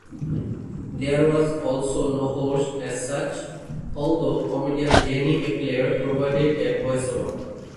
There was also no host as such, although comedian Jenny Eclair provided a voiceover.